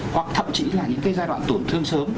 hoặc thậm chí là những cái giai đoạn tổn thương sớm